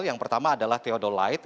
yang pertama adalah theodolite